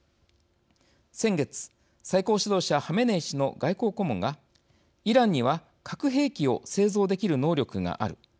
先月、最高指導者ハメネイ師の外交顧問が「イランには核兵器を製造できる能力がある。